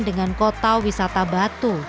dengan kota wisata batu